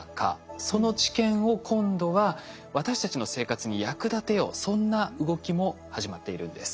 その知見を今度は私たちの生活に役立てようそんな動きも始まっているんです。